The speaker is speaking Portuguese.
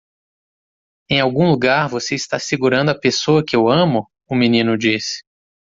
"Em algum lugar você está segurando a pessoa que eu amo?" o menino disse.